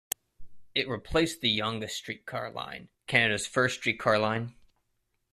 It replaced the Yonge streetcar line, Canada's first streetcar line.